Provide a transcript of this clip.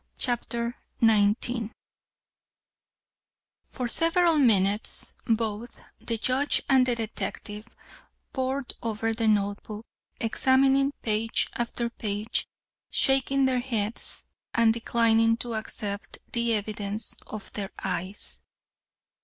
CHAPTER XIX For several minutes both the Judge and the detective pored over the note book, examining page after page, shaking their heads, and declining to accept the evidence of their eyes.